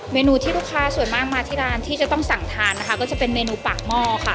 เมนูที่ลูกค้าส่วนมากมาที่ร้านที่จะต้องสั่งทานนะคะก็จะเป็นเมนูปากหม้อค่ะ